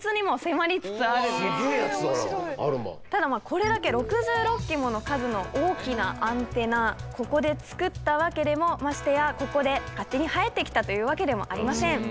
これだけ６６基もの数の大きなアンテナここで作ったわけでもましてやここで勝手に生えてきたというわけでもありません。